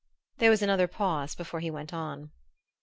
There was another pause before he went on.